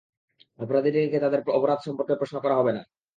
অপরাধীদেরকে তাদের অপরাধ সম্পর্কে প্রশ্ন করা হবে না।